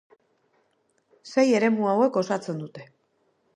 Sei eremu hauek osatzen dute.